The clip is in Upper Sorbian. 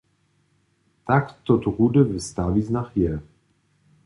Tak to druhdy w stawiznach je.